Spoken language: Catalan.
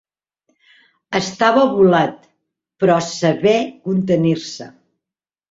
Estava volat, però sabé contenir-se.